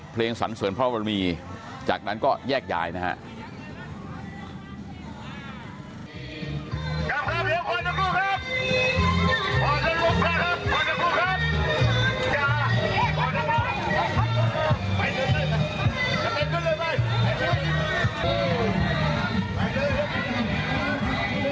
เพลงสรรสวรรค์พระอบรมีจากนั้นก็แยกยายนะครับ